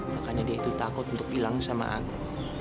makanya dia itu takut untuk hilang sama aku